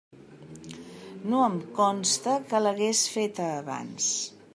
No em consta que l'hagués feta abans.